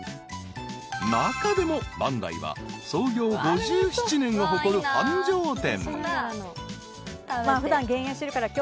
［中でも万来は創業５７年を誇る繁盛店］